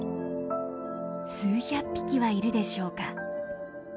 数百匹はいるでしょうか。